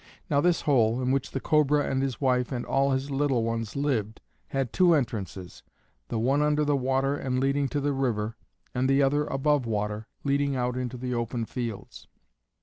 Now this hole, in which the Cobra and his wife and all his little ones lived, had two entrances, the one under the water and leading to the river, and the other above water, leading out into the open fields.